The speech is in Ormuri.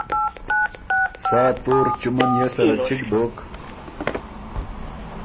سا تور چُمه نیې سَرَه چِګ دوک